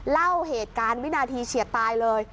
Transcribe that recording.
เล่าเหตุการณ์วินาทีเฉียดตายเลย